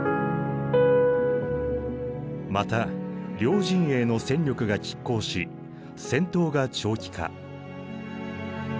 また両陣営の戦力がきっ抗し戦闘が長期化。